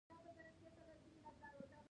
منی د افغانستان د صنعت لپاره مواد برابروي.